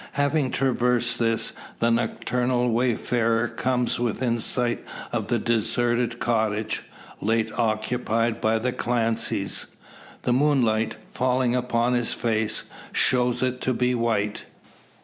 Having traversed this, the nocturnal wayfarer comes within sight of the deserted cottage, late occupied by the Clancys. The moonlight, falling upon his face, shows it to be white.